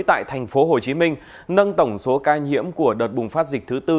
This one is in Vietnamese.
tại thành phố hồ chí minh nâng tổng số ca nhiễm của đợt bùng phát dịch thứ bốn